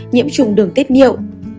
tám nhiễm chủng đường tiết nhiệu